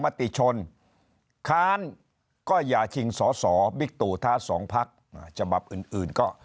มติชนค้านก็อย่าชิงสอสอบิ๊กตู่ท้าสองพักฉบับอื่นก็